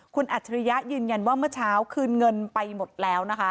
คุณอัจฉริยะยืนยันว่าเมื่อเช้าคืนเงินไปหมดแล้วนะคะ